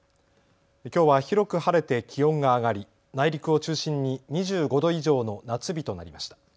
きょうは広く晴れて気温が上がり内陸を中心に２５度以上の夏日となりました。